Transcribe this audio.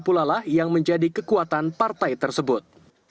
malah yang menjadi kekuatan partai tersebut